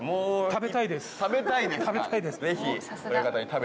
食べたいですか。